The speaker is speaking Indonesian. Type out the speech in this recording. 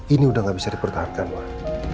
ini udah gak bisa dipertahankan lah